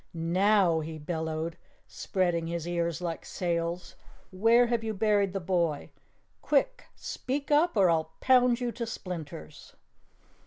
"NOW!" he bellowed, spreading his ears like sails. "Where have you buried the boy? Quick, speak up or I'll pound you to splinters."